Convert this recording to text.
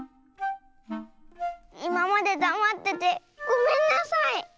いままでだまっててごめんなさい！